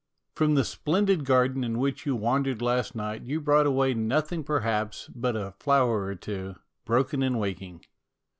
From the splendid garden in which you wandered last night you brought away nothing perhaps but a flower or two, broken in waking.